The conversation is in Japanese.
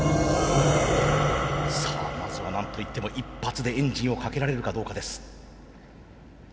さあまずはなんといっても一発でエンジンをかけられるかどうかです。